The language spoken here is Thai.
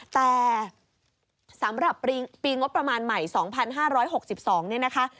แต่สำหรับปีงบประมาณใหม่๒๕๖๒เนี่ยนะคะ